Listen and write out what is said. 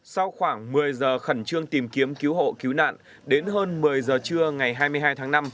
sau khoảng một mươi giờ khẩn trương tìm kiếm cứu hộ cứu nạn đến hơn một mươi giờ trưa ngày hai mươi hai tháng năm